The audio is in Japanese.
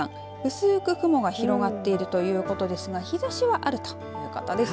薄く雲が広がっているということですが日ざしはあるということです。